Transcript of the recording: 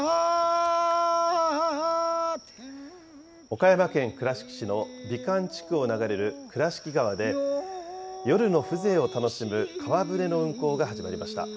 岡山県倉敷市の美観地区を流れる倉敷川で、夜の風情を楽しむ川舟の運航が始まりました。